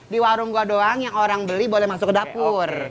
di warung gua doang yang orang beli boleh masuk ke dapur